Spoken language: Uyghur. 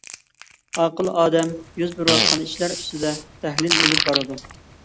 ئاقىل ئادەم يۈز بېرىۋاتقان ئىشلار ئۈستىدە تەھلىل ئېلىپ بارىدۇ.